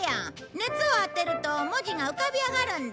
熱を当てると文字が浮かび上がるんだ。